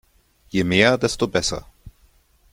Je mehr, desto besser.